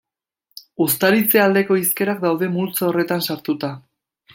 Uztaritze aldeko hizkerak daude multzo horretan sartuta.